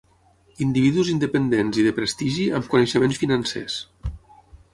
Individus independents i de prestigi, amb coneixements financers.